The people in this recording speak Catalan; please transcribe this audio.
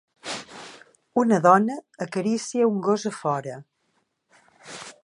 Una dona acaricia un gos a fora.